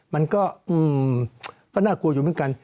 มันก็น่ากลัวอยู่เหมือนกัน